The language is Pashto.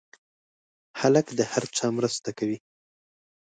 هلک د هر چا مرسته کوي.